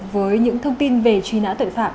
với những thông tin về truy nã tội phạm